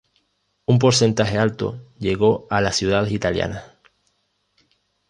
Un porcentaje alto llegó a las ciudades italianas.